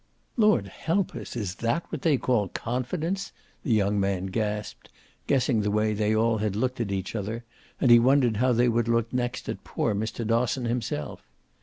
"Lord help us, is that what they call confidence?" the young man gasped, guessing the way they all had looked at each other; and he wondered how they would look next at poor Mr. Dosson himself.